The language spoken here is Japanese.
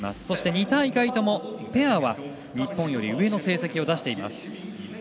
そして２大会ともペアは日本より上の成績を出しています。